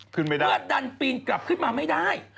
เพื่อดันปีนกลับขึ้นมาไม่ได้